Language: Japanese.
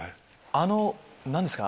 あの何ですか？